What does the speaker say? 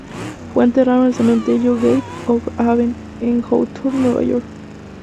Fue enterrado en el Cementerio Gate of Heaven, en Hawthorne, Nueva York.